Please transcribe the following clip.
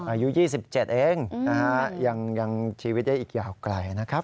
อายุ๒๗เองนะฮะยังชีวิตได้อีกยาวไกลนะครับ